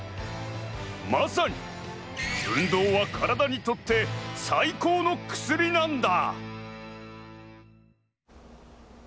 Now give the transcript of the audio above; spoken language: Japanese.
まさに運動はカラダにとって最高の薬なんだ！